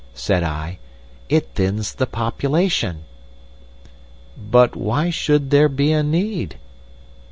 said I; 'it thins the population!' "'But why should there be a need—?